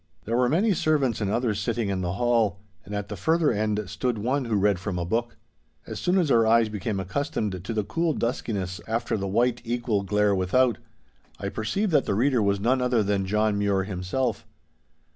There were many servants and others sitting in the hall, and at the further end stood one who read from a book. As soon as our eyes became accustomed to the cool duskiness after the white equal glare without, I perceived that the reader was none other than John Mure himself.